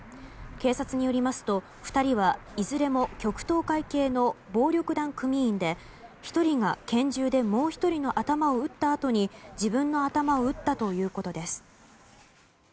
警察によりますと２人はいずれも極東会系の暴力団組員で、１人が拳銃でもう１人の頭を撃ったあとに自分の頭を撃ったということです。